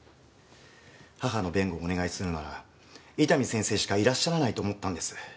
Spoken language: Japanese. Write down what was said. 義母の弁護をお願いするなら伊丹先生しかいらっしゃらないと思ったんです。